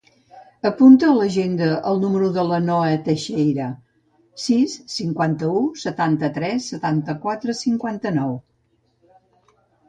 Apunta a l'agenda el número de la Noa Teixeira: sis, cinquanta-u, setanta-tres, setanta-quatre, cinquanta-nou.